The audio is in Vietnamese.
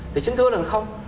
thì xin thưa là không